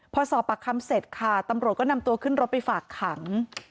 พอสอบปากคำเสร็จค่ะตำรวจก็นำตัวขึ้นรถไปฝากขัง